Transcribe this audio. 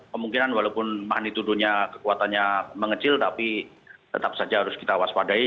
kemungkinan walaupun magnitudonya kekuatannya mengecil tapi tetap saja harus kita waspadai